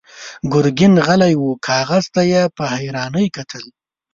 ګرګين غلی و، کاغذ ته يې په حيرانۍ کتل.